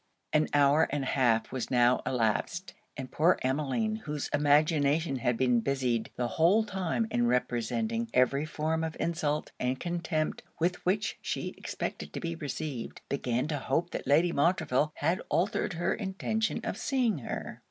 An hour and a half was now elapsed; and poor Emmeline, whose imagination had been busied the whole time in representing every form of insult and contempt with which she expected to be received, began to hope that Lady Montreville had altered her intention of seeing her.